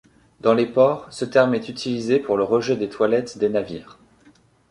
Dans les ports, ce terme est utilisé pour le rejet des toilettes des navires.